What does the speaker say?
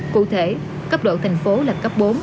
cụ thể cấp độ thành phố là cấp bốn